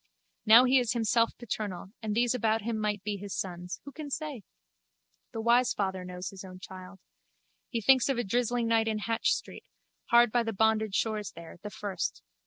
Now he is himself paternal and these about him might be his sons. Who can say? The wise father knows his own child. He thinks of a drizzling night in Hatch street, hard by the bonded stores there, the first.